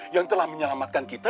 yang telah menyelamatkan kita